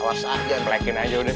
awas aja nge black in aja udah